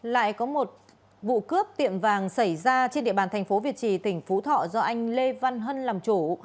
lại có một vụ cướp tiệm vàng xảy ra trên địa bàn thành phố việt trì tỉnh phú thọ do anh lê văn hân làm chủ